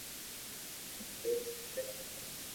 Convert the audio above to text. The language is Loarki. مني ھري رو نوم ليوا دو